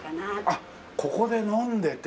あっここで飲んでて。